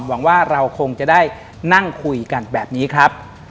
หวังว่าเราคงจะได้นั่งคุยกันแบบนี้ครับ